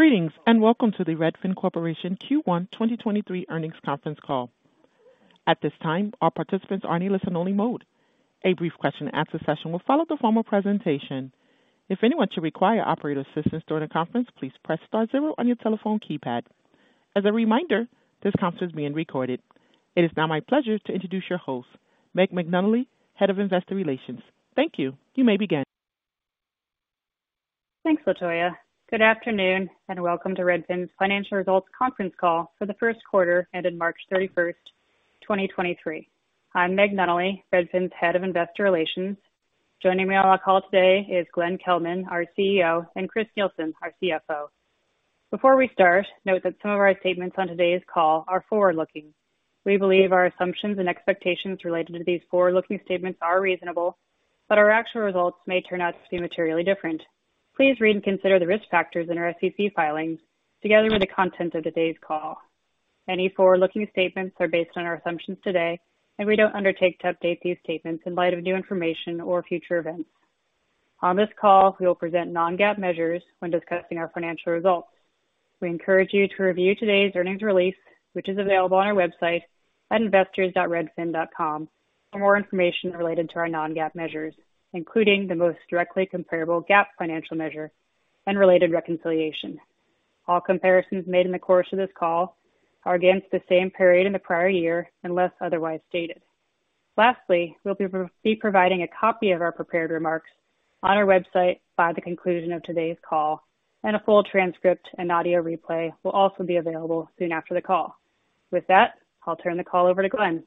Greetings. Welcome to the Redfin Corporation Q1 2023 earnings conference call. At this time, all participants are in listen-only mode. A brief question-and-answer session will follow the formal presentation. If anyone should require operator assistance during the conference, please press star 0 on your telephone keypad. As a reminder, this conference is being recorded. It is now my pleasure to introduce your host, Meg Nunnally, Head of Investor Relations. Thank you. You may begin. Thanks, Latoya. Good afternoon, and welcome to Redfin's Financial Results Conference Call for the first quarter ended March 31st, 2023. I'm Meg Nunnally, Redfin's Head of Investor Relations. Joining me on our call today is Glenn Kelman, our CEO, and Chris Nielsen, our CFO. Before we start, note that some of our statements on today's call are forward-looking. We believe our assumptions and expectations related to these forward-looking statements are reasonable, but our actual results may turn out to be materially different. Please read and consider the risk factors in our SEC filings together with the content of today's call. Any forward-looking statements are based on our assumptions today, and we don't undertake to update these statements in light of new information or future events. On this call, we will present non-GAAP measures when discussing our financial results. We encourage you to review today's earnings release, which is available on our website at investors.redfin.com for more information related to our non-GAAP measures, including the most directly comparable GAAP financial measure and related reconciliation. All comparisons made in the course of this call are against the same period in the prior year, unless otherwise stated. We'll be providing a copy of our prepared remarks on our website by the conclusion of today's call, and a full transcript and audio replay will also be available soon after the call. With that, I'll turn the call over to Glenn.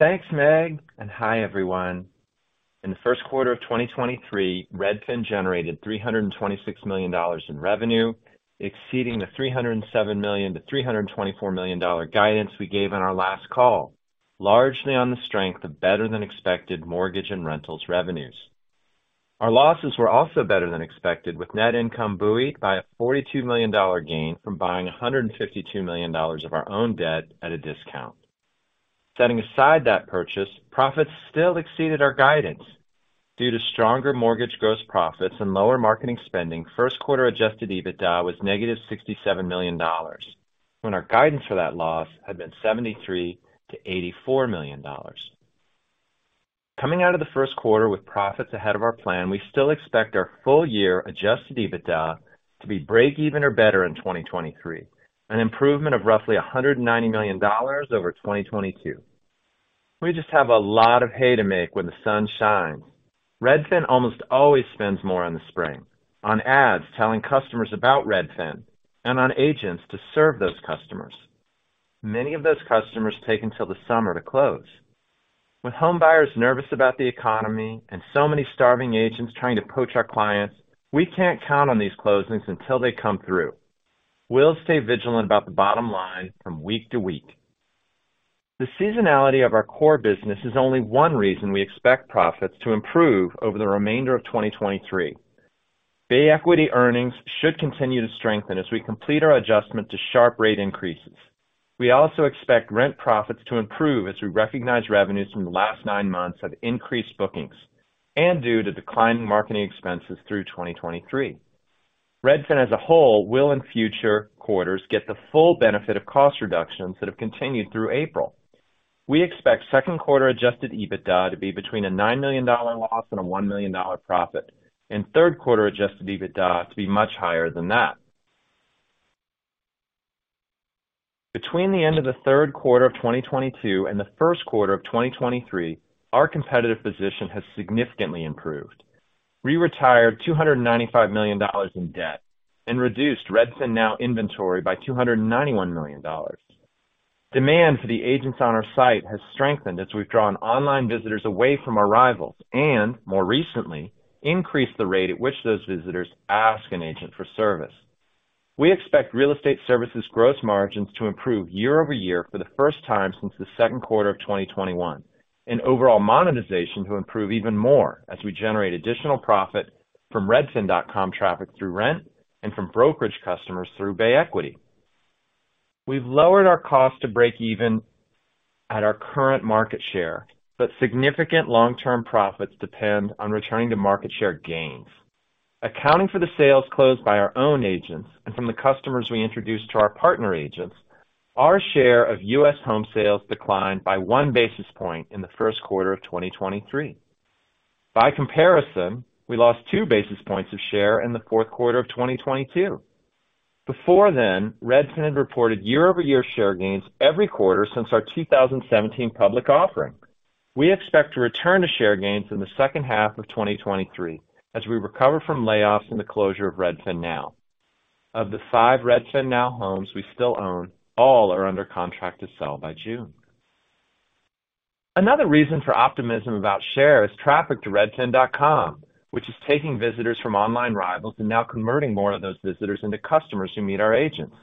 Thanks, Meg. Hi, everyone. In the first quarter of 2023, Redfin generated $326 million in revenue, exceeding the $307 million-$324 million guidance we gave on our last call, largely on the strength of better-than-expected mortgage and rentals revenues. Our losses were also better than expected, with net income buoyed by a $42 million gain from buying $152 million of our own debt at a discount. Setting aside that purchase, profits still exceeded our guidance. Due to stronger mortgage gross profits and lower marketing spending, first quarter adjusted EBITDA was negative $67 million, when our guidance for that loss had been $73 million-$84 million. Coming out of the first quarter with profits ahead of our plan, we still expect our full year adjusted EBITDA to be break even or better in 2023, an improvement of roughly $190 million over 2022. We just have a lot of hay to make when the sun shines. Redfin almost always spends more in the spring on ads telling customers about Redfin and on agents to serve those customers. Many of those customers take until the summer to close. With home buyers nervous about the economy and so many starving agents trying to poach our clients, we can't count on these closings until they come through. We'll stay vigilant about the bottom line from week to week. The seasonality of our core business is only one reason we expect profits to improve over the remainder of 2023. Bay Equity earnings should continue to strengthen as we complete our adjustment to sharp rate increases. We also expect Rent profits to improve as we recognize revenues from the last nine months of increased bookings and due to declining marketing expenses through 2023. Redfin as a whole will in future quarters get the full benefit of cost reductions that have continued through April. We expect second quarter adjusted EBITDA to be between a $9 million loss and a $1 million profit, and third quarter adjusted EBITDA to be much higher than that. Between the end of the third quarter of 2022 and the first quarter of 2023, our competitive position has significantly improved. We retired $295 million in debt and reduced RedfinNow inventory by $291 million. Demand for the agents on our site has strengthened as we've drawn online visitors away from our rivals and, more recently, increased the rate at which those visitors ask an agent for service. We expect real estate services gross margins to improve year-over-year for the first time since the second quarter of 2021. Overall monetization to improve even more as we generate additional profit from Redfin.com traffic through Rent and from brokerage customers through Bay Equity. We've lowered our cost to break even at our current market share, but significant long-term profits depend on returning to market share gains. Accounting for the sales closed by our own agents and from the customers we introduced to our partner agents, our share of U.S. home sales declined by one basis point in the first quarter of 2023. By comparison, we lost two basis points of share in the fourth quarter of 2022. Before then, Redfin had reported year-over-year share gains every quarter since our 2017 public offering. We expect to return to share gains in the second half of 2023 as we recover from layoffs and the closure of RedfinNow. Of the five RedfinNow homes we still own, all are under contract to sell by June. Another reason for optimism about share is traffic to Redfin.com, which is taking visitors from online rivals and now converting more of those visitors into customers who meet our agents.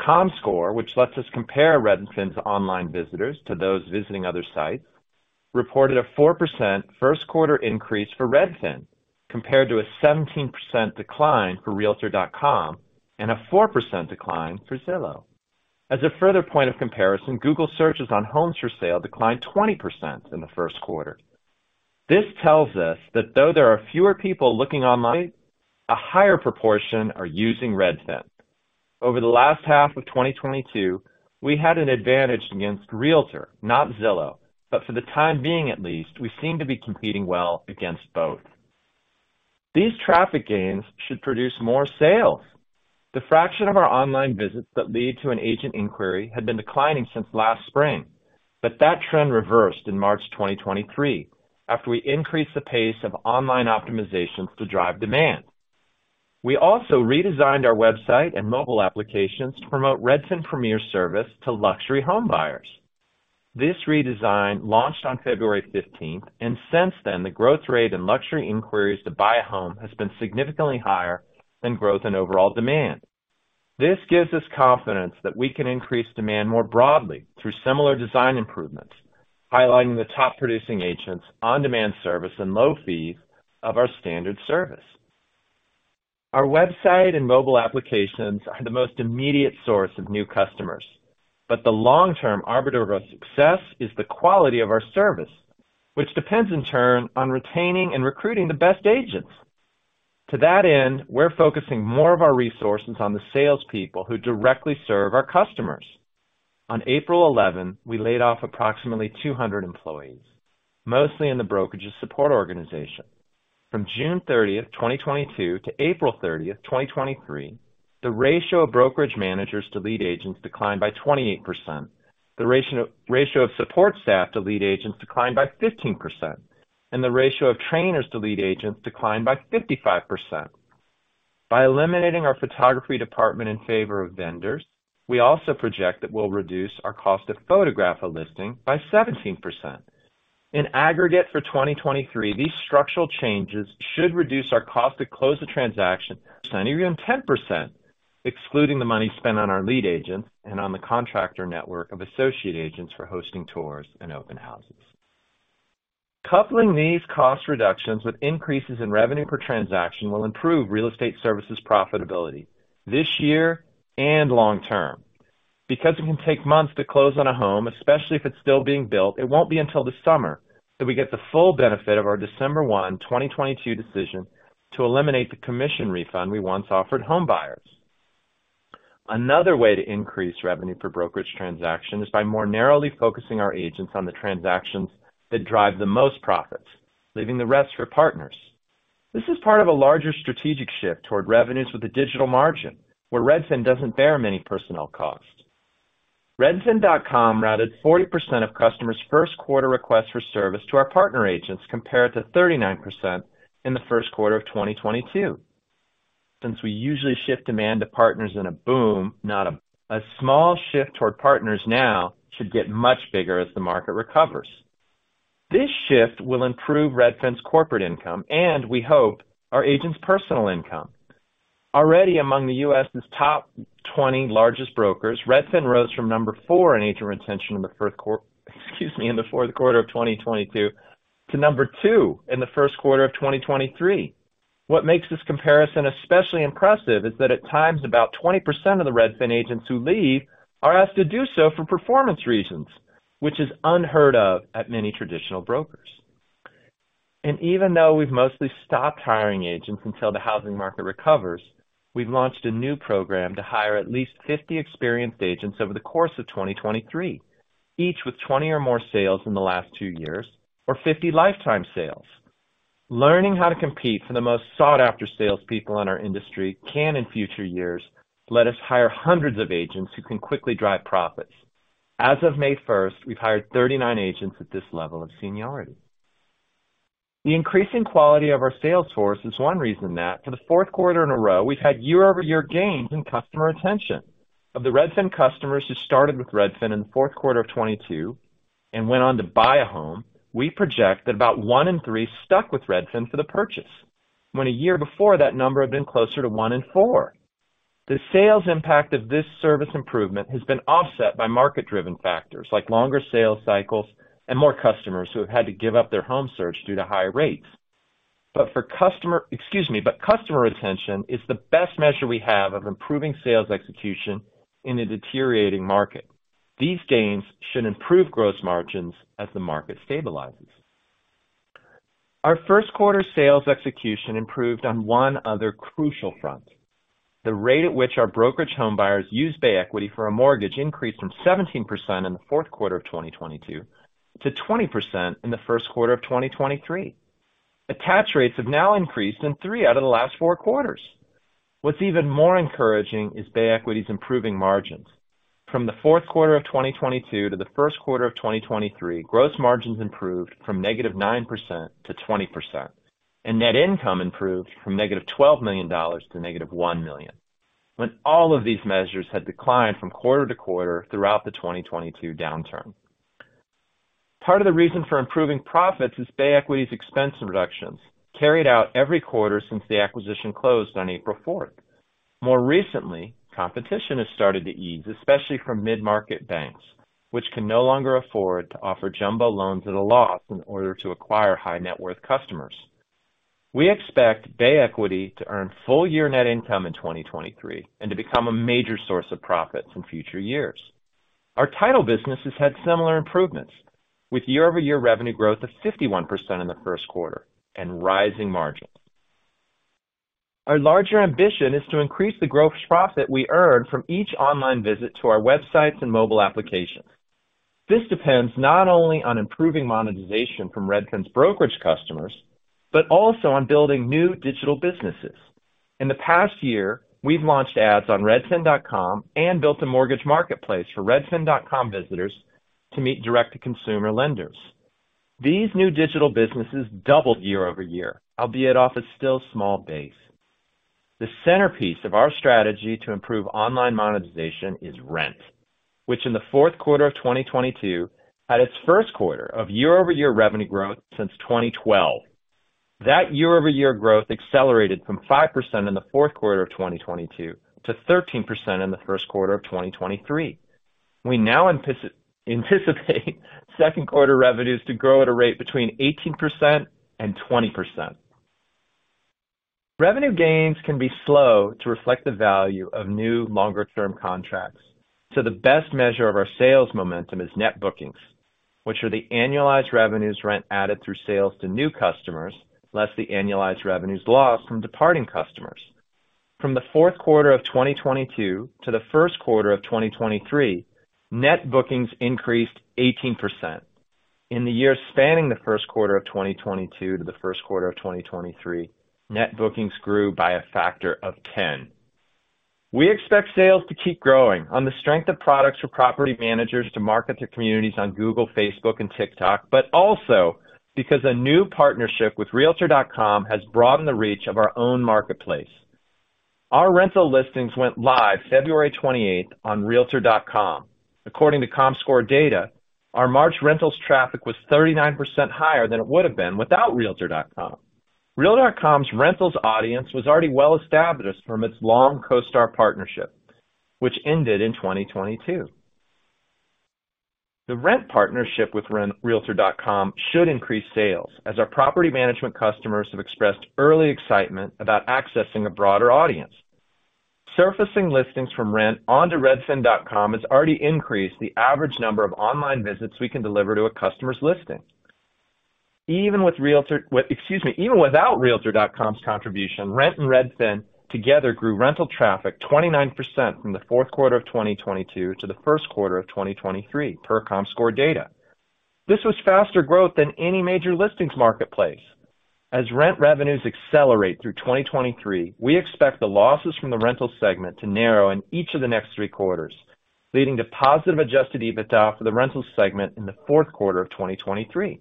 Comscore, which lets us compare Redfin's online visitors to those visiting other sites, reported a 4% first quarter increase for Redfin compared to a 17% decline for realtor.com and a 4% decline for Zillow. As a further point of comparison, Google searches on homes for sale declined 20% in the first quarter. This tells us that though there are fewer people looking online, a higher proportion are using Redfin. Over the last half of 2022, we had an advantage against Realtor, not Zillow. For the time being at least, we seem to be competing well against both. These traffic gains should produce more sales. The fraction of our online visits that lead to an agent inquiry had been declining since last spring, but that trend reversed in March 2023 after we increased the pace of online optimizations to drive demand. We also redesigned our website and mobile applications to promote Redfin Premier service to luxury home buyers. This redesign launched on February 15th, since then, the growth rate in luxury inquiries to buy a home has been significantly higher than growth in overall demand. This gives us confidence that we can increase demand more broadly through similar design improvements, highlighting the top producing agents on-demand service and low fees of our standard service. Our website and mobile applications are the most immediate source of new customers. The long-term arbiter of success is the quality of our service, which depends in turn on retaining and recruiting the best agents. To that end, we're focusing more of our resources on the salespeople who directly serve our customers. On April 11, we laid off approximately 200 employees, mostly in the brokerage's support organization. From June 30th, 2022 to April 30th, 2023, the ratio of brokerage managers to lead agents declined by 28%. The ratio of support staff to lead agents declined by 15%. The ratio of trainers to lead agents declined by 55%. By eliminating our photography department in favor of vendors, we also project that we'll reduce our cost to photograph a listing by 17%. In aggregate, for 2023, these structural changes should reduce our cost to close the transaction by 10%, excluding the money spent on our lead agents and on the contractor network of associate agents for hosting tours and open houses. Coupling these cost reductions with increases in revenue per transaction will improve real estate services profitability this year and long term. It can take months to close on a home, especially if it's still being built, it won't be until the summer that we get the full benefit of our December 1, 2022 decision to eliminate the commission refund we once offered homebuyers. Another way to increase revenue per brokerage transaction is by more narrowly focusing our agents on the transactions that drive the most profits, leaving the rest for partners. This is part of a larger strategic shift toward revenues with a digital margin where Redfin doesn't bear many personnel costs. Redfin.com routed 40% of customers' first quarter requests for service to our partner agents, compared to 39% in the first quarter of 2022. We usually shift demand to partners in a boom. A small shift toward partners now should get much bigger as the market recovers. This shift will improve Redfin's corporate income and we hope our agents' personal income. Already among the U.S.'s top 20 largest brokers, Redfin rose from number four in agent retention excuse me, in the fourth quarter of 2022 to number two in the first quarter of 2023. What makes this comparison especially impressive is that at times about 20% of the Redfin agents who leave are asked to do so for performance reasons, which is unheard of at many traditional brokers. Even though we've mostly stopped hiring agents until the housing market recovers, we've launched a new program to hire at least 50 experienced agents over the course of 2023, each with 20 or more sales in the last two years or 50 lifetime sales. Learning how to compete for the most sought-after salespeople in our industry can, in future years, let us hire hundreds of agents who can quickly drive profits. As of May first, we've hired 39 agents at this level of seniority. The increasing quality of our sales force is one reason that for the fourth quarter in a row, we've had year-over-year gains in customer retention. Of the Redfin customers who started with Redfin in the fourth quarter of 2022 and went on to buy a home, we project that about one in three stuck with Redfin for the purchase, when a year before that number had been closer to one in four. The sales impact of this service improvement has been offset by market-driven factors like longer sales cycles and more customers who have had to give up their home search due to higher rates. Excuse me, customer retention is the best measure we have of improving sales execution in a deteriorating market. These gains should improve gross margins as the market stabilizes. Our first quarter sales execution improved on one other crucial front. The rate at which our brokerage home buyers used Bay Equity for a mortgage increased from 17% in the fourth quarter of 2022 to 20% in the first quarter of 2023. Attach rates have now increased in three out of the last fourth quarters. What's even more encouraging is Bay Equity's improving margins. From the fourth quarter of 2022 to the first quarter of 2023, gross margins improved from -9% to 20%, and net income improved from -$12 million to -$1 million, when all of these measures had declined from quarter to quarter throughout the 2022 downturn. Part of the reason for improving profits is Bay Equity's expense reductions carried out every quarter since the acquisition closed on April fourth. More recently, competition has started to ease, especially from mid-market banks, which can no longer afford to offer jumbo loans at a loss in order to acquire high net worth customers. We expect Bay Equity to earn full-year net income in 2023 and to become a major source of profit in future years. Our title business has had similar improvements, with year-over-year revenue growth of 51% in the first quarter and rising margins. Our larger ambition is to increase the gross profit we earn from each online visit to our websites and mobile applications. This depends not only on improving monetization from Redfin's brokerage customers, but also on building new digital businesses. In the past year, we've launched ads on redfin.com and built a mortgage marketplace for redfin.com visitors to meet direct-to-consumer lenders. These new digital businesses doubled year-over-year, albeit off a still small base. The centerpiece of our strategy to improve online monetization is Rent, which in the fourth quarter of 2022, had its first quarter of year-over-year revenue growth since 2012. That year-over-year growth accelerated from 5% in the fourth quarter of 2022 to 13% in the first quarter of 2023. We now anticipate second quarter revenues to grow at a rate between 18% and 20%. Revenue gains can be slow to reflect the value of new longer-term contracts, so the best measure of our sales momentum is net bookings, which are the annualized revenues Rent added through sales to new customers, less the annualized revenues lost from departing customers. From the fourth quarter of 2022 to the first quarter of 2023, net bookings increased 18%. In the years spanning the first quarter of 2022 to the first quarter of 2023, net bookings grew by a factor of 10. We expect sales to keep growing on the strength of products for property managers to market to communities on Google, Facebook and TikTok, but also because a new partnership with realtor.com has broadened the reach of our own marketplace. Our rental listings went live February 28th on realtor.com. According to Comscore data, our March rentals traffic was 39% higher than it would have been without realtor.com. Realtor.com's rentals audience was already well-established from its long CoStar partnership, which ended in 2022. The Rent partnership with realtor.com should increase sales, as our property management customers have expressed early excitement about accessing a broader audience. Surfacing listings from Rent onto Redfin.com has already increased the average number of online visits we can deliver to a customer's listing. Excuse me. Even without realtor.com's contribution, Rent and Redfin together grew rental traffic 29% from the fourth quarter of 2022 to the first quarter of 2023, per Comscore data. This was faster growth than any major listings marketplace. As Rent revenues accelerate through 2023, we expect the losses from the rental segment to narrow in each of the next three quarters, leading to positive adjusted EBITDA for the rental segment in the fourth quarter of 2023.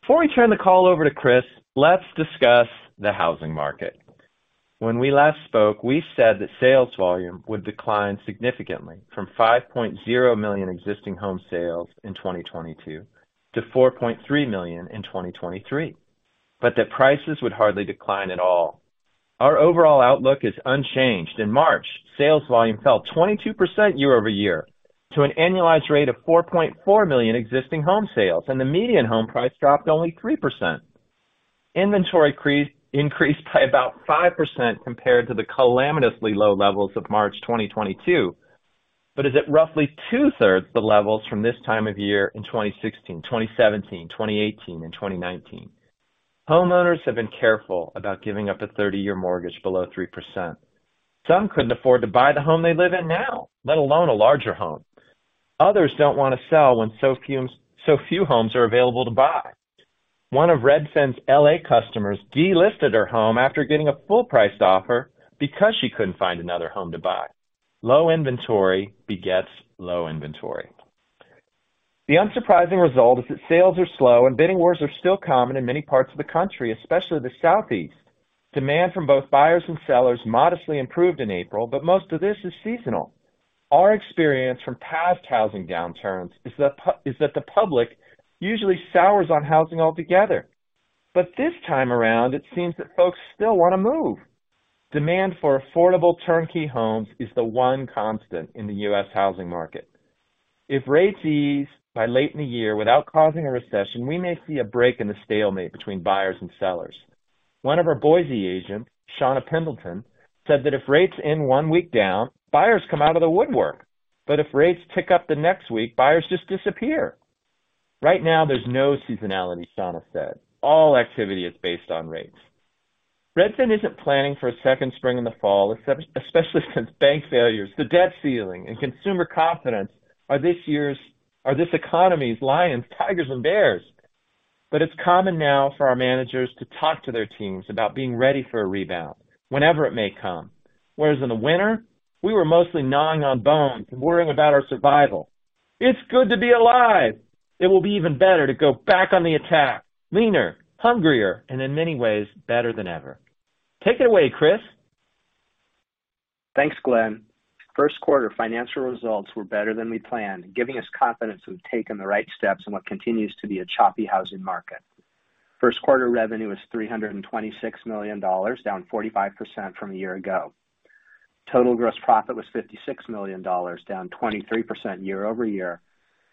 Before we turn the call over to Chris, let's discuss the housing market. When we last spoke, we said that sales volume would decline significantly from 5.0 million existing home sales in 2022 to 4.3 million in 2023, but that prices would hardly decline at all. Our overall outlook is unchanged. In March, sales volume fell 22% year-over-year to an annualized rate of 4.4 million existing home sales, and the median home price dropped only 3%. Inventory increased by about 5% compared to the calamitously low levels of March 2022, but is at roughly two-thirds the levels from this time of year in 2016, 2017, 2018 and 2019. Homeowners have been careful about giving up a 30-year mortgage below 3%. Some couldn't afford to buy the home they live in now, let alone a larger home. Others don't want to sell when so few homes are available to buy. One of Redfin's L.A. customers delisted her home after getting a full price offer because she couldn't find another home to buy. Low inventory begets low inventory. The unsurprising result is that sales are slow and bidding wars are still common in many parts of the country, especially the Southeast. Demand from both buyers and sellers modestly improved in April, but most of this is seasonal. Our experience from past housing downturns is that the public usually sours on housing altogether. This time around, it seems that folks still wanna move. Demand for affordable turnkey homes is the one constant in the U.S. housing market. If rates ease by late in the year without causing a recession, we may see a break in the stalemate between buyers and sellers. One of our Boise agents, Shauna Pendleton, said that if rates end one week down, buyers come out of the woodwork. If rates tick up the next week, buyers just disappear. "Right now, there's no seasonality," Shauna said. "All activity is based on rates." Redfin isn't planning for a second spring in the fall, especially since bank failures, the debt ceiling, and consumer confidence are this economy's lions, tigers, and bears. It's common now for our managers to talk to their teams about being ready for a rebound whenever it may come, whereas in the winter, we were mostly gnawing on bones and worrying about our survival. It's good to be alive. It will be even better to go back on the attack, leaner, hungrier, and in many ways, better than ever. Take it away, Chris. Thanks, Glenn. First quarter financial results were better than we planned, giving us confidence we've taken the right steps in what continues to be a choppy housing market. First quarter revenue was $326 million, down 45% from a year ago. Total gross profit was $56 million, down 23% year-over-year,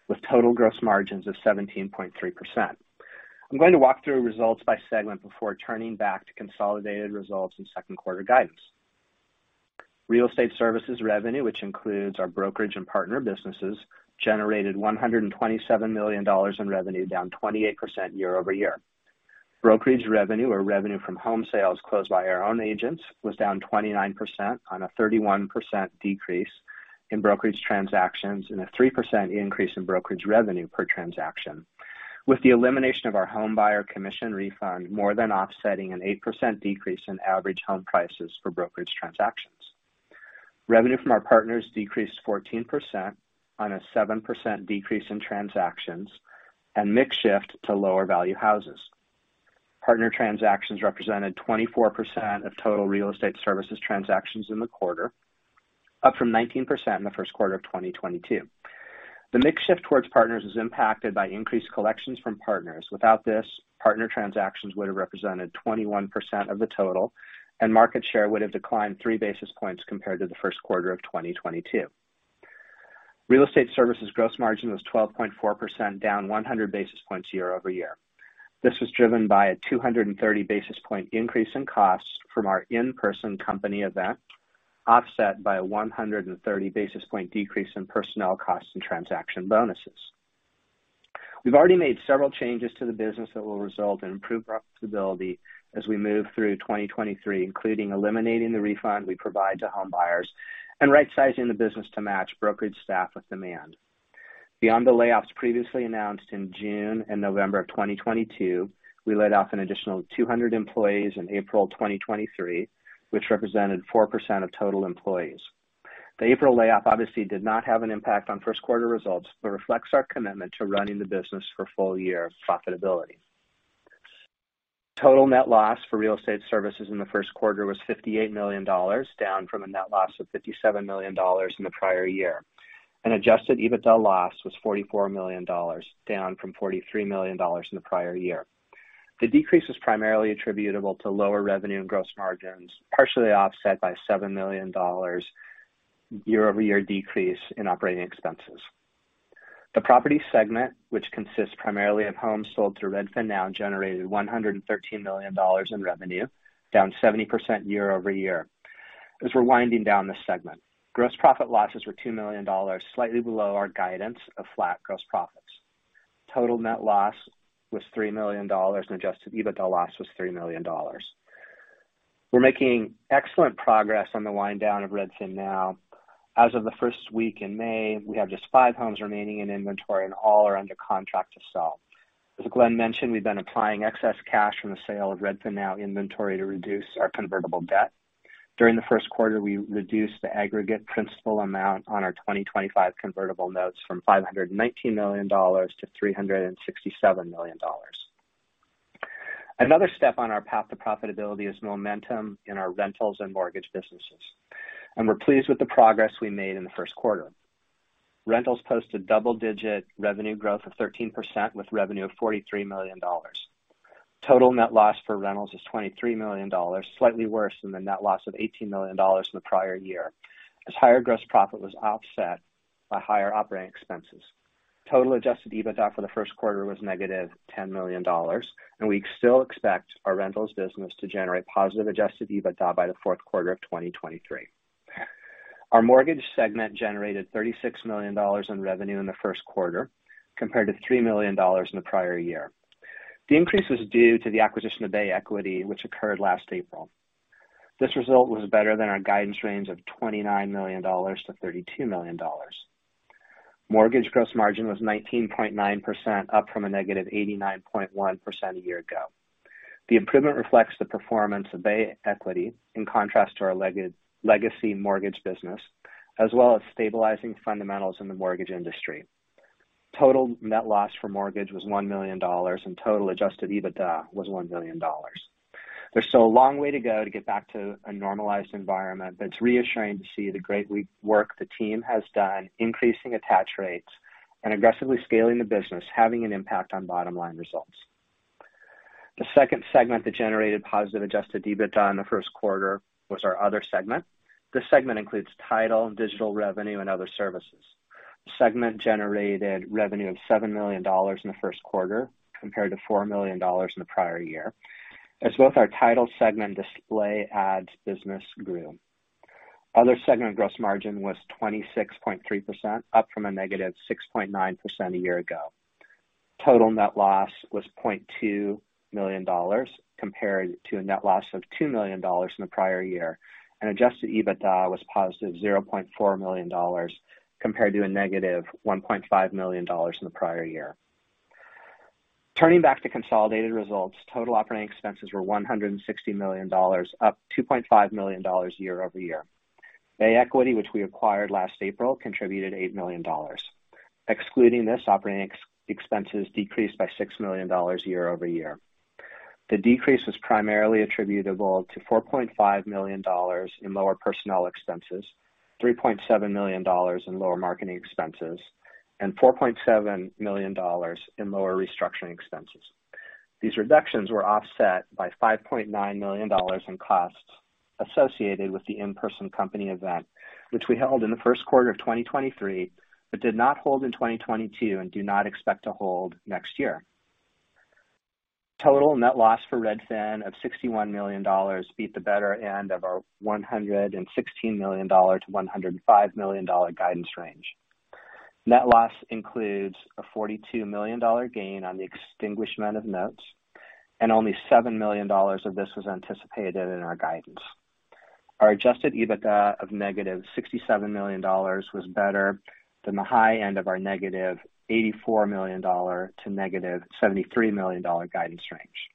with total gross margins of 17.3%. I'm going to walk through results by segment before turning back to consolidated results and second quarter guidance. Real estate services revenue, which includes our brokerage and partner businesses, generated $127 million in revenue, down 28% year-over-year. Brokerage revenue or revenue from home sales closed by our own agents was down 29% on a 31% decrease in brokerage transactions and a 3% increase in brokerage revenue per transaction. With the elimination of our home buyer commission refund more than offsetting an 8% decrease in average home prices for brokerage transactions. Revenue from our partners decreased 14% on a 7% decrease in transactions and mix shift to lower value houses. Partner transactions represented 24% of total real estate services transactions in the quarter, up from 19% in the first quarter of 2022. The mix shift towards partners is impacted by increased collections from partners. Without this, partner transactions would have represented 21% of the total and market share would have declined three basis points compared to the first quarter of 2022. Real estate services gross margin was 12.4%, down 100 basis points year-over-year. This was driven by a 230 basis point increase in costs from our in-person company event, offset by a 130 basis point decrease in personnel costs and transaction bonuses. We've already made several changes to the business that will result in improved profitability as we move through 2023, including eliminating the refund we provide to home buyers and rightsizing the business to match brokerage staff with demand. Beyond the layoffs previously announced in June and November of 2022, we laid off an additional 200 employees in April 2023, which represented 4% of total employees. The April layoff obviously did not have an impact on first quarter results, but reflects our commitment to running the business for full year profitability. Total net loss for real estate services in the first quarter was $58 million, down from a net loss of $57 million in the prior year. adjusted EBITDA loss was $44 million, down from $43 million in the prior year. The decrease was primarily attributable to lower revenue and gross margins, partially offset by $7 million year-over-year decrease in operating expenses. The property segment, which consists primarily of homes sold through RedfinNow, generated $113 million in revenue, down 70% year-over-year as we're winding down the segment. Gross profit losses were $2 million, slightly below our guidance of flat gross profits. Total net loss was $3 million, adjusted EBITDA loss was $3 million. We're making excellent progress on the wind down of RedfinNow. As of the first week in May, we have just five homes remaining in inventory, and all are under contract to sell. As Glenn mentioned, we've been applying excess cash from the sale of RedfinNow inventory to reduce our convertible debt. During the first quarter, we reduced the aggregate principal amount on our 2025 convertible notes from $519 million to $367 million. Another step on our path to profitability is momentum in our rentals and mortgage businesses, and we're pleased with the progress we made in the first quarter. Rentals posted double-digit revenue growth of 13% with revenue of $43 million. Total net loss for rentals is $23 million, slightly worse than the net loss of $18 million in the prior year, as higher gross profit was offset by higher operating expenses. Total adjusted EBITDA for the first quarter was -$10 million. We still expect our rentals business to generate positive adjusted EBITDA by the fourth quarter of 2023. Our mortgage segment generated $36 million in revenue in the first quarter compared to $3 million in the prior year. The increase was due to the acquisition of Bay Equity which occurred last April. This result was better than our guidance range of $29 million-$32 million. Mortgage gross margin was 19.9%, up from a -89.1% a year ago. The improvement reflects the performance of Bay Equity in contrast to our legacy mortgage business, as well as stabilizing fundamentals in the mortgage industry. Total net loss for mortgage was $1 million and total adjusted EBITDA was $1 million. There's still a long way to go to get back to a normalized environment. It's reassuring to see the great work the team has done increasing attach rates and aggressively scaling the business, having an impact on bottom-line results. The second segment that generated positive adjusted EBITDA in the first quarter was our other segment. This segment includes title, digital revenue and other services. The segment generated revenue of $7 million in the first quarter compared to $4 million in the prior year as both our title segment display ads business grew. Other segment gross margin was 26.3%, up from a -6.9% a year ago. Total net loss was $0.2 million compared to a net loss of $2 million in the prior year. Adjusted EBITDA was positive $0.4 million compared to a negative $1.5 million in the prior year. Turning back to consolidated results, total operating expenses were $160 million, up $2.5 million year-over-year. Bay Equity, which we acquired last April, contributed $8 million. Excluding this, operating expenses decreased by $6 million year-over-year. The decrease was primarily attributable to $4.5 million in lower personnel expenses, $3.7 million in lower marketing expenses, and $4.7 million in lower restructuring expenses. These reductions were offset by $5.9 million in costs associated with the in-person company event, which we held in the first quarter of 2023, but did not hold in 2022 and do not expect to hold next year. Total net loss for Redfin of $61 million beat the better end of our $116 million-$105 million guidance range. Net loss includes a $42 million gain on the extinguishment of notes, and only $7 million of this was anticipated in our guidance. Our adjusted EBITDA of negative $67 million was better than the high end of our negative $84 million to negative $73 million guidance range.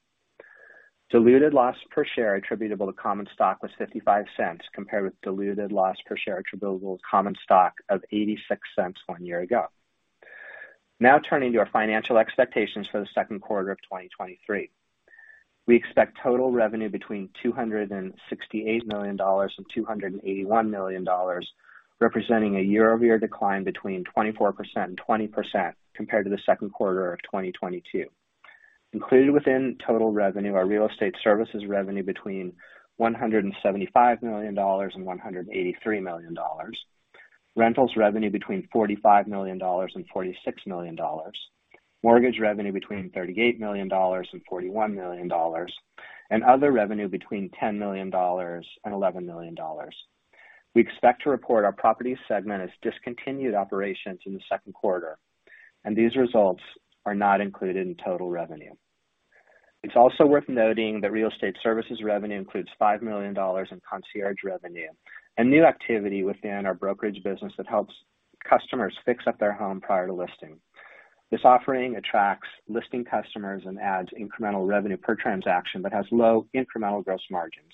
Diluted loss per share attributable to common stock was $0.55, compared with diluted loss per share attributable to common stock of $0.86 one year ago. Now turning to our financial expectations for the second quarter of 2023. We expect total revenue between $268 million and $281 million, representing a year-over-year decline between 24% and 20% compared to the second quarter of 2022. Included within total revenue are real estate services revenue between $175 million and $183 million, rentals revenue between $45 million and $46 million, mortgage revenue between $38 million and $41 million, and other revenue between $10 million and $11 million. We expect to report our property segment as discontinued operations in the second quarter. These results are not included in total revenue. It's also worth noting that real estate services revenue includes $5 million in Concierge revenue, a new activity within our brokerage business that helps customers fix up their home prior to listing. This offering attracts listing customers and adds incremental revenue per transaction, but has low incremental gross margins.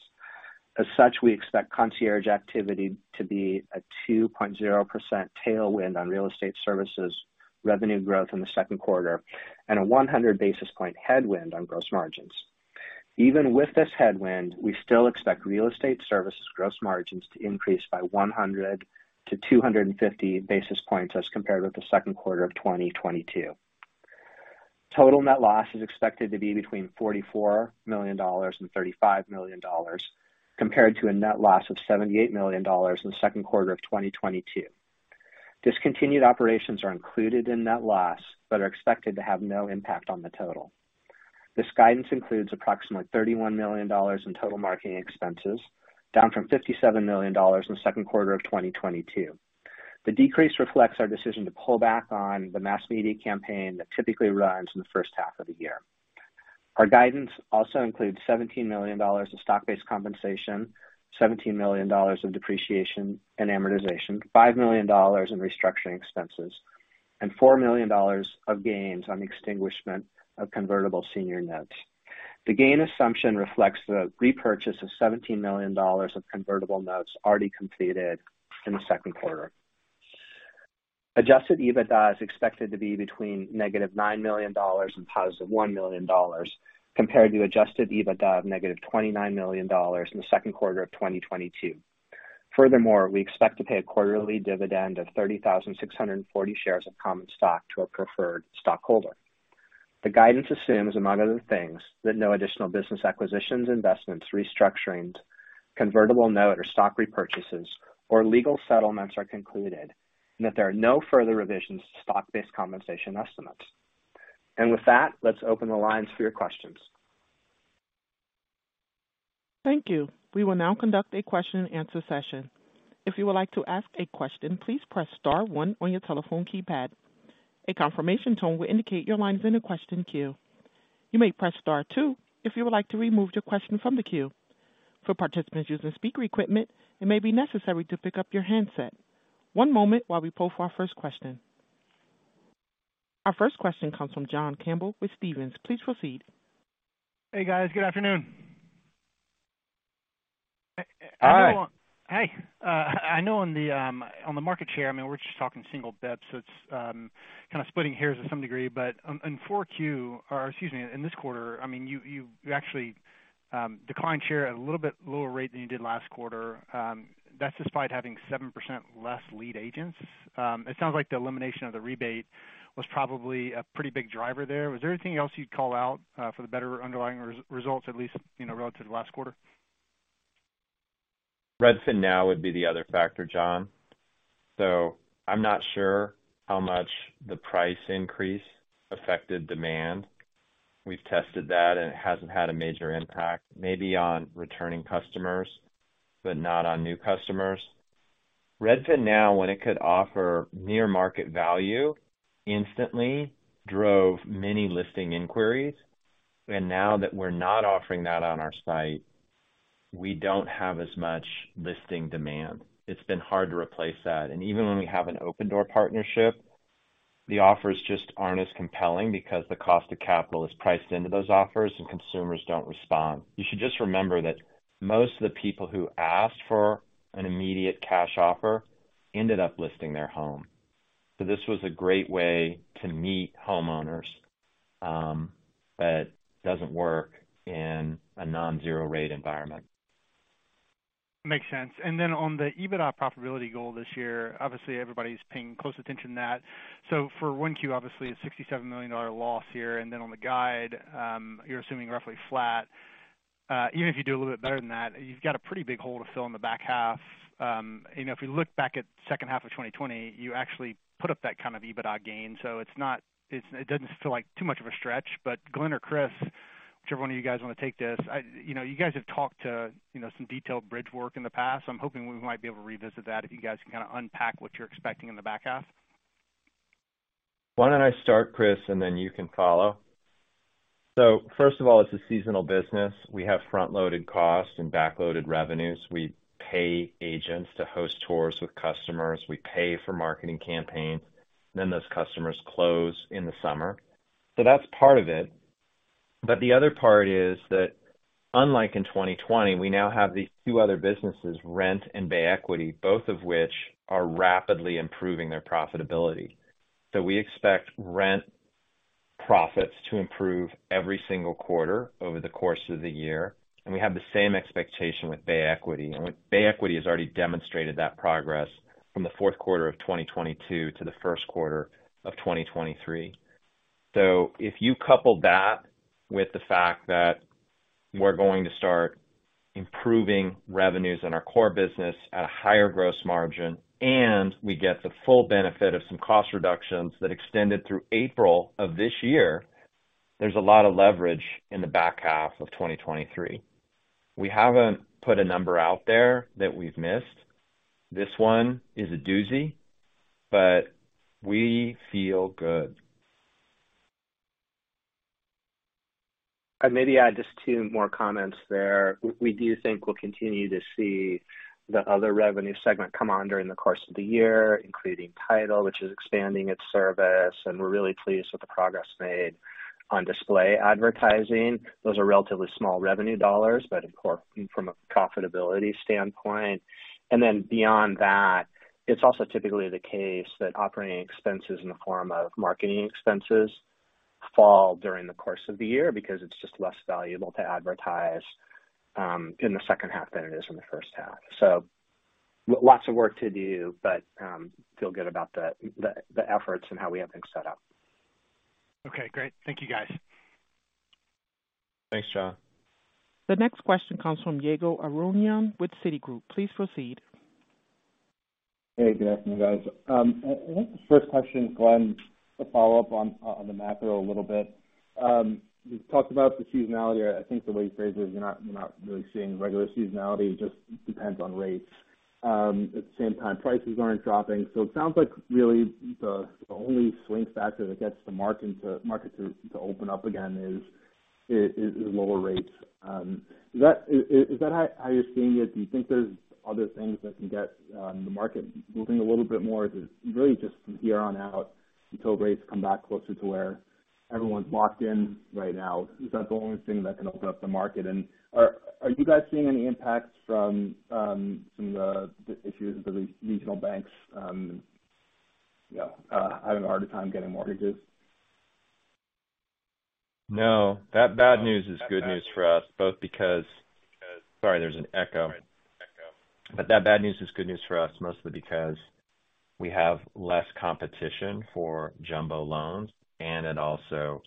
As such, we expect Concierge activity to be a 2.0% tailwind on real estate services revenue growth in the second quarter and a 100 basis point headwind on gross margins. Even with this headwind, we still expect real estate services gross margins to increase by 100-250 basis points as compared with the second quarter of 2022. Total net loss is expected to be between $44 million and $35 million, compared to a net loss of $78 million in the second quarter of 2022. discontinued operations are included in net loss, but are expected to have no impact on the total. This guidance includes approximately $31 million in total marketing expenses, down from $57 million in the second quarter of 2022. The decrease reflects our decision to pull back on the mass media campaign that typically runs in the first half of the year. Our guidance also includes $17 million in stock-based compensation, $17 million in depreciation and amortization, $5 million in restructuring expenses, and $4 million of gains on extinguishment of convertible senior notes. The gain assumption reflects the repurchase of $17 million of convertible notes already completed in the second quarter. Adjusted EBITDA is expected to be between negative $9 million and positive $1 million, compared to Adjusted EBITDA of negative $29 million in the second quarter of 2022. Furthermore, we expect to pay a quarterly dividend of 30,640 shares of common stock to our preferred stockholder. The guidance assumes, among other things, that no additional business acquisitions, investments, restructurings, convertible note or stock repurchases or legal settlements are concluded, and that there are no further revisions to stock-based compensation estimates. With that, let's open the lines for your questions. Thank you. We will now conduct a question and answer session. If you would like to ask a question, please press star one on your telephone keypad. A confirmation tone will indicate your line is in the question queue. You may press star two if you would like to remove your question from the queue. For participants using speaker equipment, it may be necessary to pick up your handset. One moment while we poll for our first question. Our first question comes from John Campbell with Stephens. Please proceed. Hey, guys. Good afternoon. Hi. Hey. I know on the market share, I mean, we're just talking single dips, so it's kind of splitting hairs to some degree. In Q4 or excuse me, in this quarter, I mean, you actually declined share at a little bit lower rate than you did last quarter. That's despite having 7% less lead agents. Was there anything else you'd call out for the better underlying results, at least, you know, relative to last quarter? Redfin Now would be the other factor, John. I'm not sure how much the price increase affected demand. We've tested that, and it hasn't had a major impact, maybe on returning customers, but not on new customers. Redfin Now, when it could offer near market value, instantly drove many listing inquiries, and now that we're not offering that on our site, we don't have as much listing demand. It's been hard to replace that. Even when we have an Opendoor partnership, the offers just aren't as compelling because the cost of capital is priced into those offers and consumers don't respond. You should just remember that most of the people who asked for an immediate cash offer ended up listing their home. This was a great way to meet homeowners, but doesn't work in a non-zero rate environment. Makes sense. Then on the EBITDA profitability goal this year, obviously everybody's paying close attention to that. For 1Q, obviously a $67 million loss here, and then on the guide, you're assuming roughly flat. Even if you do a little bit better than that, you've got a pretty big hole to fill in the back half. you know, if we look back at second half of 2020, you actually put up that kind of EBITDA gain. So it's not, it doesn't feel like too much of a stretch. Glenn or Chris, whichever one of you guys wanna take this. I, you know, you guys have talked to, you know, some detailed bridge work in the past. I'm hoping we might be able to revisit that if you guys can kinda unpack what you're expecting in the back half. Why don't I start, Chris, and then you can follow. First of all, it's a seasonal business. We have front-loaded costs and back-loaded revenues. We pay agents to host tours with customers. We pay for marketing campaigns. Then those customers close in the summer. That's part of it. The other part is that unlike in 2020, we now have these two other businesses, Rent and Bay Equity, both of which are rapidly improving their profitability. We expect Rent profits to improve every single quarter over the course of the year, and we have the same expectation with Bay Equity. Bay Equity has already demonstrated that progress from the fourth quarter of 2022 to the first quarter of 2023. If you couple that with the fact that we're going to start improving revenues in our core business at a higher gross margin, and we get the full benefit of some cost reductions that extended through April of this year, there's a lot of leverage in the back half of 2023. We haven't put a number out there that we've missed. This one is a doozy, but we feel good. I'd maybe add just two more comments there. We do think we'll continue to see the other revenue segment come on during the course of the year, including Title, which is expanding its service, and we're really pleased with the progress made on display advertising. Those are relatively small revenue dollars, but important from a profitability standpoint. Beyond that, it's also typically the case that operating expenses in the form of marketing expenses fall during the course of the year because it's just less valuable to advertise, in the second half than it is in the first half. Lots of work to do, but feel good about the efforts and how we have things set up. Okay, great. Thank you, guys. Thanks, John. The next question comes from Ygal Arounian with Citigroup. Please proceed. Hey, good afternoon, guys. I think the first question, Glenn, to follow up on the macro a little bit. You've talked about the seasonality. I think the way you phrased it is you're not really seeing regular seasonality. It just depends on rates. At the same time, prices aren't dropping. It sounds like really the only swing factor that gets the market to open up again is lower rates. Is that how you're seeing it? Do you think there's other things that can get, the market moving a little bit more? Is it really just from here on out until rates come back closer to where everyone's locked in right now? Is that the only thing that can open up the market? Are you guys seeing any impacts from some of the issues with the regional banks, you know, having a harder time getting mortgages? No, that bad news is good news for us, both because... Sorry, there's an echo. That bad news is good news for us mostly because we have less competition for jumbo loans, and it also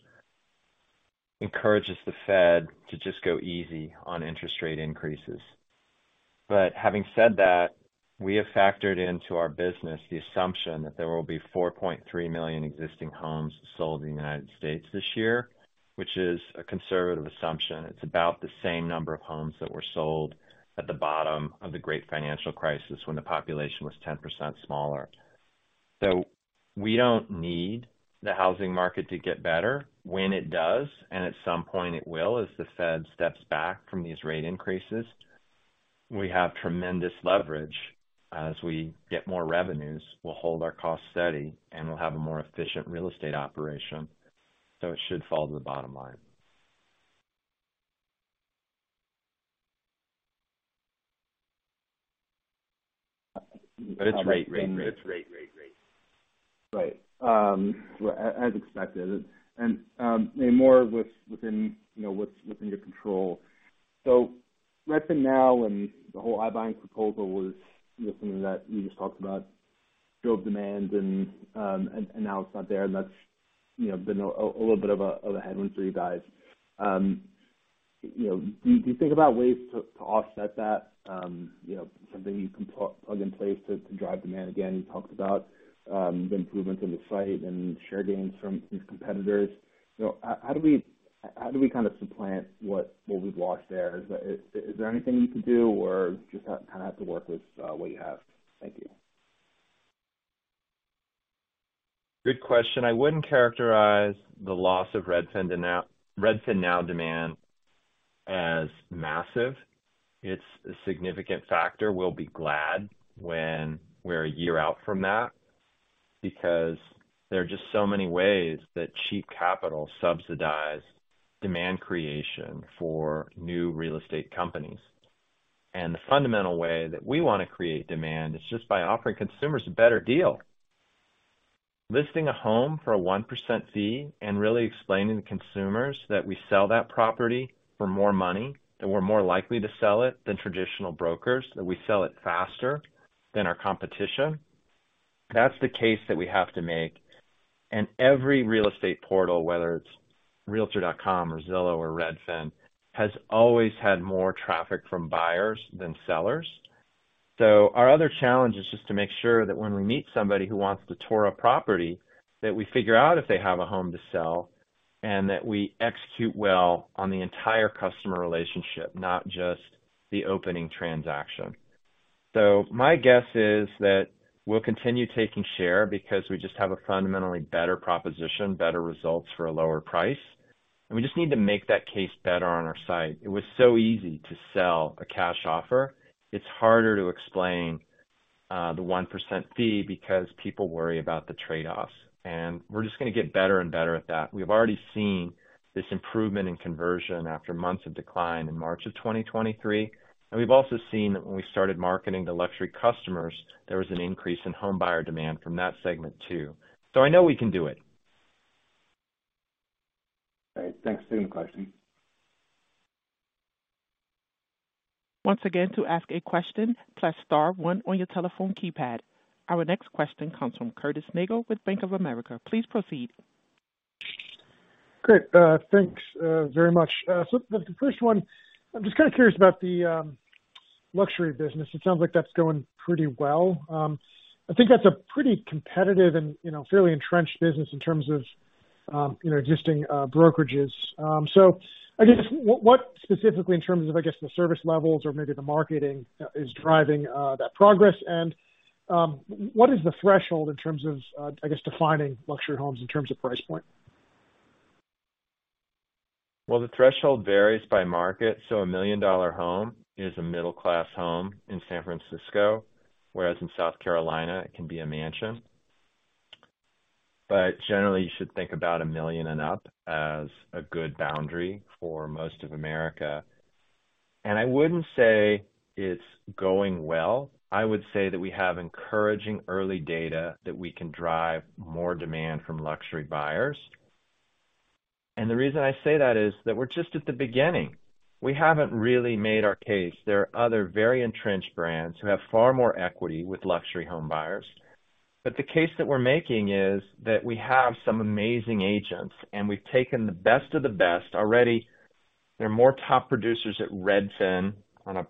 encourages the Fed to just go easy on interest rate increases. Having said that, we have factored into our business the assumption that there will be 4.3 million existing homes sold in the United States this year, which is a conservative assumption. It's about the same number of homes that were sold at the bottom of the Great Financial Crisis when the population was 10% smaller. We don't need the housing market to get better. When it does, and at some point, it will, as the Fed steps back from these rate increases, we have tremendous leverage. As we get more revenues, we'll hold our costs steady, and we'll have a more efficient real estate operation, so it should fall to the bottom line. It's rate, rate. Right. As expected. More within, you know, within your control. RedfinNow and the whole iBuying proposal was something that you just talked about, build demand and now it's not there, and that's, you know, been a little bit of a headwind for you guys. You know, do you think about ways to offset that? You know, something you can plug in place to drive demand? Again, you talked about the improvements in the site and share gains from these competitors. How do we kind of supplant what we've lost there? Is there anything you can do or just kinda have to work with what you have? Thank you. Good question. I wouldn't characterize the loss of RedfinNow demand as massive. It's a significant factor. We'll be glad when we're a year out from that because there are just so many ways that cheap capital subsidized demand creation for new real estate companies. The fundamental way that we wanna create demand is just by offering consumers a better deal. Listing a home for a 1% fee and really explaining to consumers that we sell that property for more money, that we're more likely to sell it than traditional brokers, that we sell it faster than our competition. That's the case that we have to make. Every real estate portal, whether it's Realtor.com or Zillow or Redfin, has always had more traffic from buyers than sellers. Our other challenge is just to make sure that when we meet somebody who wants to tour a property, that we figure out if they have a home to sell, and that we execute well on the entire customer relationship, not just the opening transaction. My guess is that we'll continue taking share because we just have a fundamentally better proposition, better results for a lower price. We just need to make that case better on our site. It was so easy to sell a cash offer. It's harder to explain the 1% fee because people worry about the trade-offs, and we're just going to get better and better at that. We've already seen this improvement in conversion after months of decline in March of 2023. We've also seen that when we started marketing to luxury customers, there was an increase in home buyer demand from that segment, too. I know we can do it. Great. Thanks. Student question. Once again, to ask a question, plus star one on your telephone keypad. Our next question comes from Curtis Nagle with Bank of America. Please proceed. Great. Thanks very much. The first one, I'm just kind of curious about the luxury business. It sounds like that's going pretty well. I think that's a pretty competitive and, you know, fairly entrenched business in terms of existing brokerages. I guess what specifically in terms of, I guess, the service levels or maybe the marketing is driving that progress? What is the threshold in terms of, I guess, defining luxury homes in terms of price point? The threshold varies by market. A $1 million home is a middle-class home in San Francisco, whereas in South Carolina, it can be a mansion. Generally, you should think about $1 million and up as a good boundary for most of America. I wouldn't say it's going well. I would say that we have encouraging early data that we can drive more demand from luxury buyers. The reason I say that is that we're just at the beginning. We haven't really made our case. There are other very entrenched brands who have far more equity with luxury home buyers. The case that we're making is that we have some amazing agents, and we've taken the best of the best. Already, there are more top producers at Redfin on a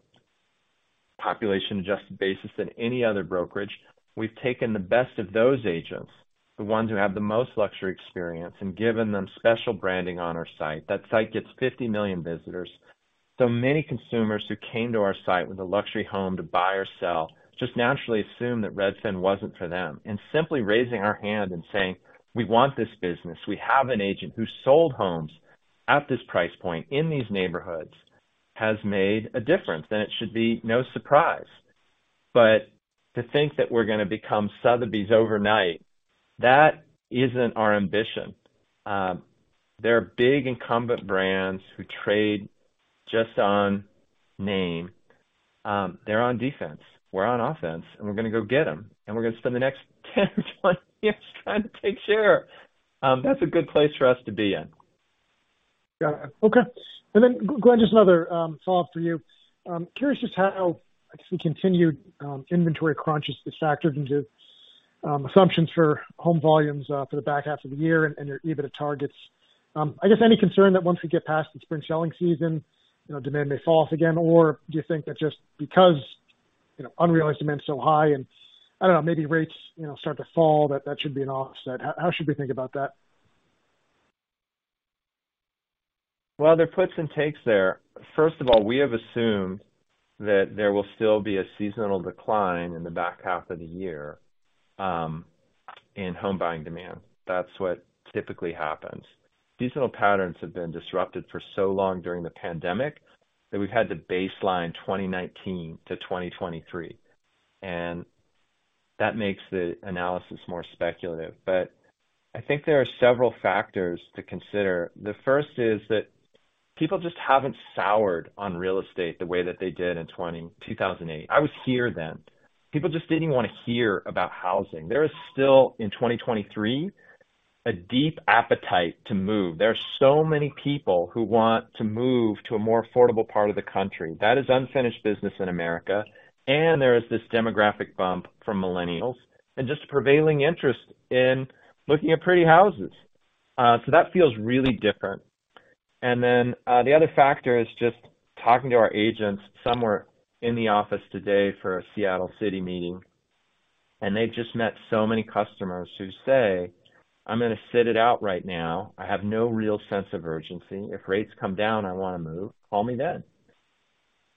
population-adjusted basis than any other brokerage. We've taken the best of those agents, the ones who have the most luxury experience, and given them special branding on our site. That site gets 50 million visitors. Many consumers who came to our site with a luxury home to buy or sell just naturally assume that Redfin wasn't for them. Simply raising our hand and saying, "We want this business. We have an agent who sold homes at this price point in these neighborhoods," has made a difference, then it should be no surprise. To think that we're going to become Sotheby's overnight, that isn't our ambition. There are big incumbent brands who trade just on name. They're on defense, we're on offense, and we're going to go get them, and we're going to spend the next 10, 20 years trying to take share. That's a good place for us to be in. Got it. Okay. Then Glenn, just another follow-up for you. Curious just how the continued inventory crunches this factored into assumptions for home volumes for the back half of the year and your EBITDA targets. I guess any concern that once we get past the spring selling season, you know, demand may fall off again? Or do you think that just because, you know, unrealized demand is so high and, I don't know, maybe rates, you know, start to fall, that that should be an offset? How should we think about that? There are puts and takes there. First of all, we have assumed that there will still be a seasonal decline in the back half of the year, in home buying demand. That's what typically happens. Seasonal patterns have been disrupted for so long during the pandemic that we've had to baseline 2019-2023, and that makes the analysis more speculative. I think there are several factors to consider. The first is that people just haven't soured on real estate the way that they did in 2008. I was here then. People just didn't want to hear about housing. There is still, in 2023, a deep appetite to move. There are so many people who want to move to a more affordable part of the country. That is unfinished business in America. There is this demographic bump from millennials and just prevailing interest in looking at pretty houses. That feels really different. Then, the other factor is just talking to our agents. Some were in the office today for a Seattle city meeting, and they just met so many customers who say, "I'm gonna sit it out right now. I have no real sense of urgency. If rates come down, I wanna move. Call me then."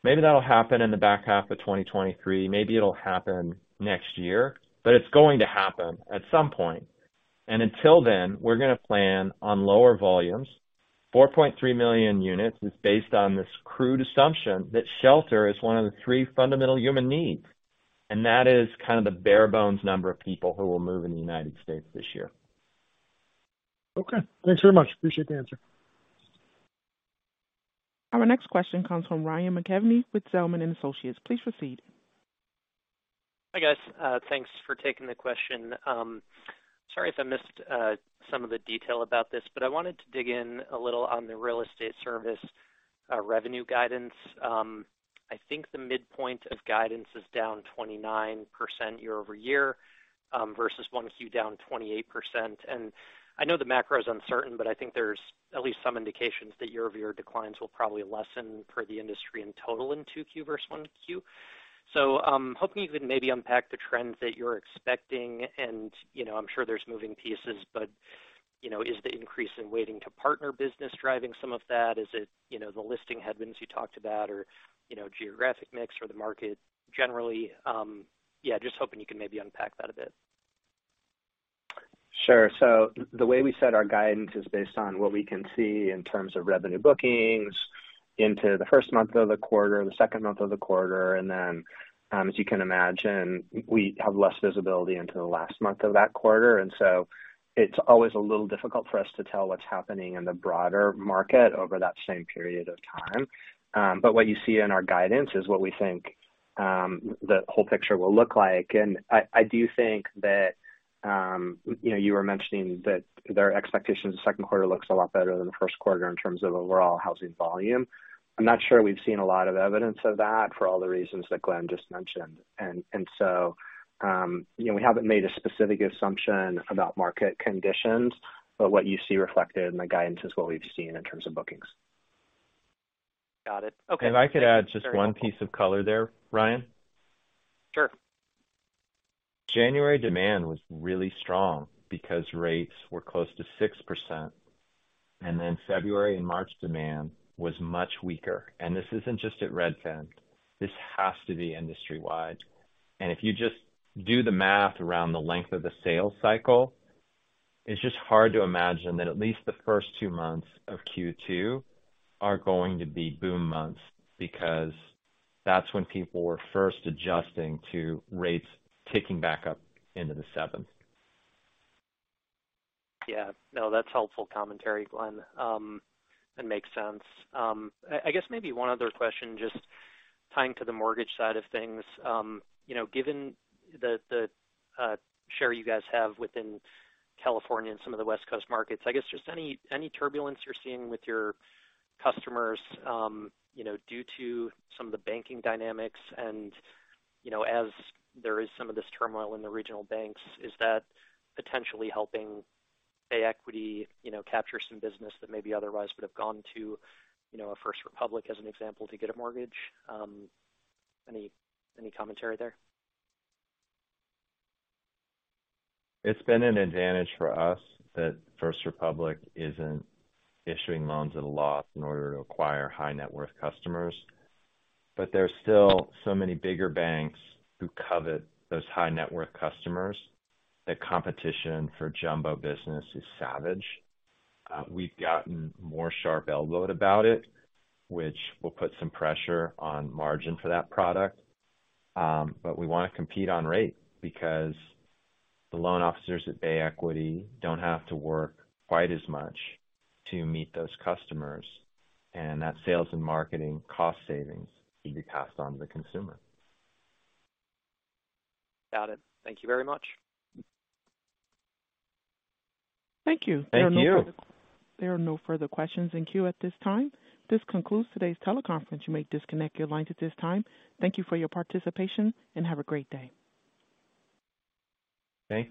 Maybe that'll happen in the back half of 2023. Maybe it'll happen next year, but it's going to happen at some point. Until then, we're gonna plan on lower volumes. 4.3 million units is based on this crude assumption that shelter is one of the three fundamental human needs. That is kind of the bare bones number of people who will move in the United States this year. Okay. Thanks very much. Appreciate the answer. Our next question comes from Ryan McKeveny with Zelman & Associates. Please proceed. Hi, guys. Thanks for taking the question. Sorry if I missed some of the detail about this, but I wanted to dig in a little on the real estate service revenue guidance. I think the midpoint of guidance is down 29% year-over-year versus one Q down 28%. I know the macro is uncertain, but I think there's at least some indications that year-over-year declines will probably lessen for the industry in total in two Q versus one Q. Hoping you could maybe unpack the trends that you're expecting. You know, I'm sure there's moving pieces, but, you know, is the increase in waiting to partner business driving some of that? Is it, you know, the listing headwinds you talked about or, you know, geographic mix or the market generally? Yeah, just hoping you can maybe unpack that a bit. The way we set our guidance is based on what we can see in terms of revenue bookings into the first month of the quarter, the second month of the quarter. Then, as you can imagine, we have less visibility into the last month of that quarter, and so it's always a little difficult for us to tell what's happening in the broader market over that same period of time. But what you see in our guidance is what we think, the whole picture will look like. I do think that, you know, you were mentioning that their expectations of second quarter looks a lot better than the first quarter in terms of overall housing volume. I'm not sure we've seen a lot of evidence of that for all the reasons that Glenn just mentioned. You know, we haven't made a specific assumption about market conditions, but what you see reflected in the guidance is what we've seen in terms of bookings. Got it. Okay. If I could add just one piece of color there, Ryan. Sure. January demand was really strong because rates were close to 6%, and then February and March demand was much weaker. This isn't just at Redfin, this has to be industry-wide. If you just do the math around the length of the sales cycle, it's just hard to imagine that at least the first two months of Q2 are going to be boom months, because that's when people were first adjusting to rates ticking back up into the seventh. Yeah. No, that's helpful commentary, Glenn. That makes sense. I guess maybe one other question, just tying to the mortgage side of things. You know, given the share you guys have within California and some of the West Coast markets, I guess just any turbulence you're seeing with your customers, you know, due to some of the banking dynamics and, you know, as there is some of this turmoil in the regional banks, is that potentially helping Bay Equity, you know, capture some business that maybe otherwise would have gone to, you know, a First Republic as an example, to get a mortgage? Any commentary there? It's been an advantage for us that First Republic isn't issuing loans at a loss in order to acquire high net worth customers. There's still so many bigger banks who covet those high net worth customers. The competition for jumbo business is savage. We've gotten more sharp elbowed about it, which will put some pressure on margin for that product. We wanna compete on rate because the loan officers at Bay Equity don't have to work quite as much to meet those customers, and that sales and marketing cost savings can be passed on to the consumer. Got it. Thank you very much. Thank you. Thank you. There are no further questions in queue at this time. This concludes today's teleconference. You may disconnect your lines at this time. Thank you for your participation, and have a great day. Thank you.